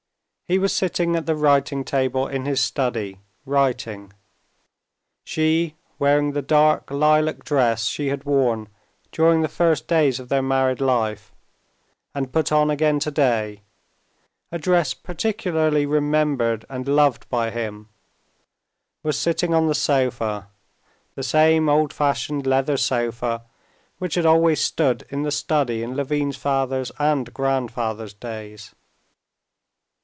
He was sitting at the writing table in his study, writing. She, wearing the dark lilac dress she had worn during the first days of their married life, and put on again today, a dress particularly remembered and loved by him, was sitting on the sofa, the same old fashioned leather sofa which had always stood in the study in Levin's father's and grandfather's days.